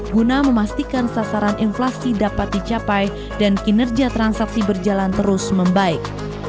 guna memastikan sasaran inflasi dapat dicapai dan kinerja transaksi berjalan terus membaik